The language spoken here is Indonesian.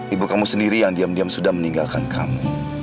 ibu kamu sendiri yang diam diam sudah meninggalkan kamu